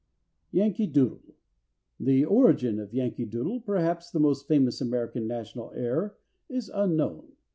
=Yankee Doodle.= The origin of Yankee Doodle, perhaps the most famous American national air, is unknown.